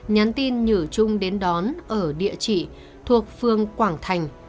nhắn tin nhử trung đến đón ở địa chỉ thuộc phương quảng thành